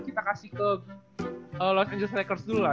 kita kasih ke los angeles hackers dulu lah